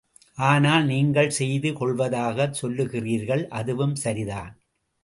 ஆனால் நீங்கள் செய்து கொள்வதாகச் சொல்லுகிறீர்கள், அதுவும் சரிதான்.